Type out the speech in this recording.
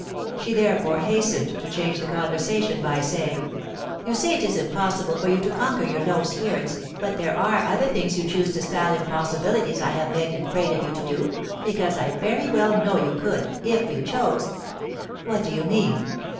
She therefore hastened to change the conversation by saying: "You say it is impossible for you to conquer your low spirits, but there are other things you choose to style impossibilities I have begged and prayed of you to do, because I very well know you could, if you chose." "What do you mean?"